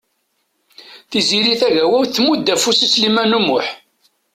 Tiziri Tagawawt tmudd afus i Sliman U Muḥ.